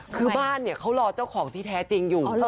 คือบ้านเนี่ยเขารอเจ้าของที่แท้จริงอยู่